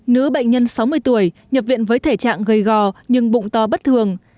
nữ bệnh nhân sáu mươi tuổi nhập viện với thể trạng gây gò nhưng bụng to bất thường